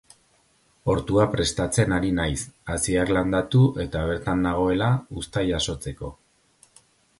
Ortua prestatzen ari naiz, haziak landatu eta bertan nagoela, uzta jasotzeko.